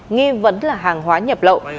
nghi vấn là hàng hóa nhập lậu